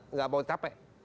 nggak mau capek